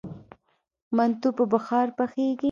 منتو په بخار پخیږي؟